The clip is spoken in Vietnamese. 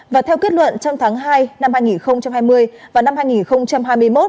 và theo kết luận trong tháng hai năm hai nghìn hai mươi và năm hai nghìn hai mươi một